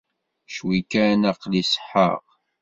Cwi kan aql-i ṣeḥḥaɣ.